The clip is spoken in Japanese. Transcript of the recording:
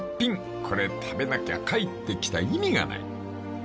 ［これ食べなきゃ帰ってきた意味がない！］